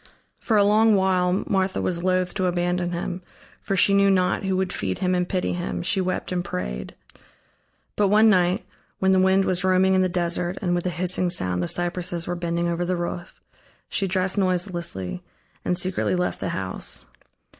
For a long while Martha was loath to abandon him, for she knew not who would feed him and pity him, she wept and prayed. But one night, when the wind was roaming in the desert and with a hissing sound the cypresses were bending over the roof, she dressed noiselessly and secretly left the house.